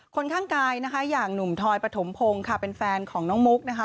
คนข้างกายนะคะอย่างหนุ่มทอยปฐมพงศ์ค่ะเป็นแฟนของน้องมุกนะคะ